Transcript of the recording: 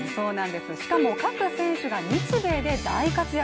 しかも各選手が日米で大活躍。